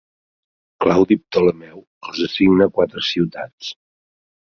Claudi Ptolemeu els assigna quatre ciutats.